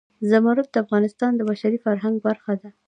زمرد د افغانستان د بشري فرهنګ برخه ده.